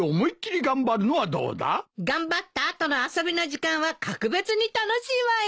頑張った後の遊びの時間は格別に楽しいわよ。